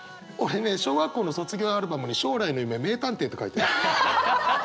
俺ね小学校の卒業アルバムに将来の夢名探偵って書いてる。